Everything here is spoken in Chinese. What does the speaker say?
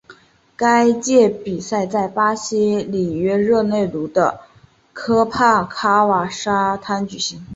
该届比赛在巴西里约热内卢的科帕卡瓦纳沙滩举行。